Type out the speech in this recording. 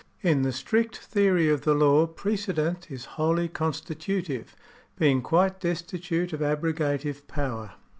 In the strict theory of the law, precedent is wholly consti tutive, being quite destitute of abrogative power.